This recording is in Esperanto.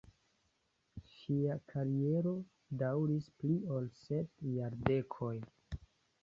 Ŝia kariero daŭris pli ol sep jardekoj.